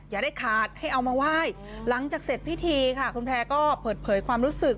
อย่าได้ขาดให้เอามาไหว้หลังจากเสร็จพิธีค่ะคุณแพร่ก็เปิดเผยความรู้สึก